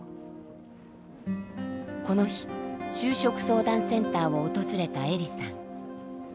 この日就職相談センターを訪れたえりさん。